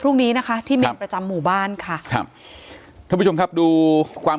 พรุ่งนี้นะคะที่เมนประจำหมู่บ้านค่ะครับท่านผู้ชมครับดูความ